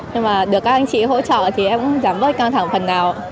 nhưng mà được các anh chị hỗ trợ thì em cũng giảm bớt căng thẳng phần nào